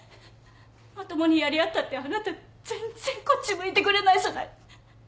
まともにやり合ったってあなた全然こっち向いてくれないじゃない。